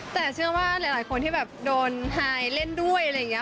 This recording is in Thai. แต่เชื่อว่าหลายคนที่แบบโดนไฮเล่นด้วยอะไรอย่างนี้